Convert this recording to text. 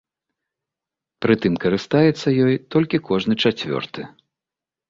Пры тым карыстаецца ёй толькі кожны чацвёрты.